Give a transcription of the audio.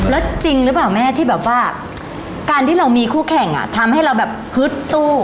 แล้วจริงหรือเปล่าแม่ที่แบบว่าการที่เรามีคู่แข่งอ่ะทำให้เราแบบฮึดสู้